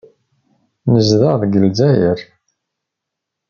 Nezdeɣ deg Lezzayer.